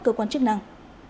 cơ quan chức năng